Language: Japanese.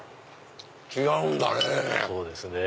違うんだね。